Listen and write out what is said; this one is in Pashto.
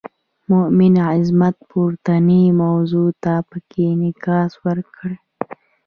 میرمن عظمت پورتنۍ موضوع ته پکې انعکاس ورکړی.